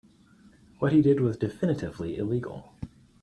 What he did was definitively illegal.